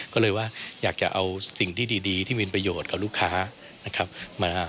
ก็เลยว่าอยากจะเอาสิ่งที่ดีที่มีประโยชน์กับลูกค้านะครับมา